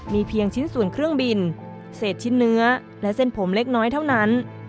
มีเพียงชิ้นส่วนเครื่องบินเศษชิ้นเนื้อและเส้นผมเล็กน้อยเท่านั้น